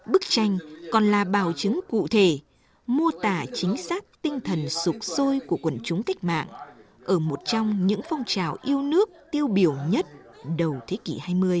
bức tranh còn là bảo chứng cụ thể mô tả chính xác tinh thần sụp sôi của quần chúng cách mạng ở một trong những phong trào yêu nước tiêu biểu nhất đầu thế kỷ hai mươi